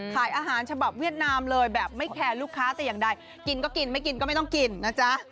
ขายอาหารฉบับเวียดนามเลยแบบไม่แคร์ลูกค้าแต่อย่างใดกินก็กินไม่กินก็ไม่ต้องกินนะจ๊ะ